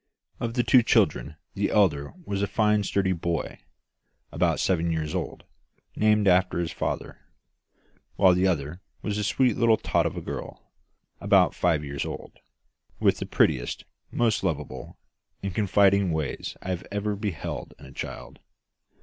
Of the two children, the elder was a fine sturdy boy, about seven years old, named after his father; while the other was a sweet little tot of a girl, about five years old, with the prettiest, most lovable, and confiding ways I had ever beheld in a child.